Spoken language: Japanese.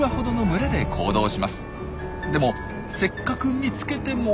でもせっかく見つけても。